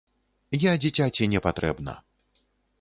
Я дзіцяці не патрэбна.